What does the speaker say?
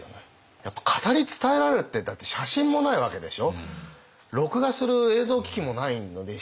やっぱ語り伝えられるってだって写真もないわけでしょ。